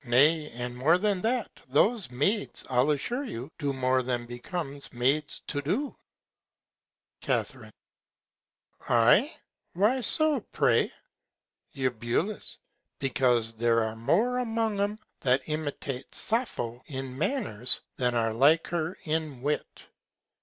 Nay, and more than that, those Maids, I'll assure you, do more than becomes Maids to do. Ca. Ay! why so, pray? Eu. Because there are more among 'em that imitate Sappho in Manners, than are like her in Wit.